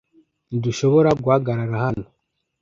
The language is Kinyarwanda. Ntidushobora guhagarara hano .